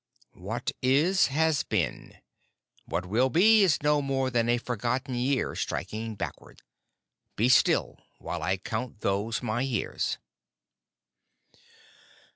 "What is has been. What will be is no more than a forgotten year striking backward. Be still while I count those my years."